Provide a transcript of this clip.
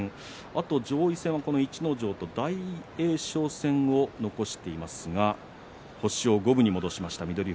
あと上位戦は大栄翔戦を残していますが星を五分に戻しました。